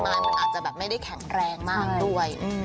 มันอาจจะแบบไม่ได้แข็งแรงมากด้วย